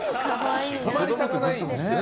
止まりたくないんですね。